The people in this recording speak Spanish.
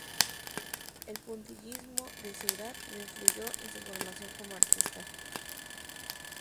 El puntillismo de Seurat lo influyó en su formación como artista.